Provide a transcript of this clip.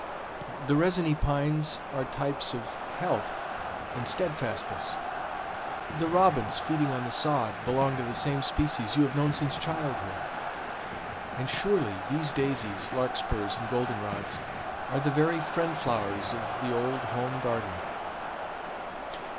The resiny pines are types of health and steadfastness; the robins feeding on the sod belong to the same species you have known since childhood; and surely these daisies, larkspurs, and goldenrods are the very friend flowers of the old home garden.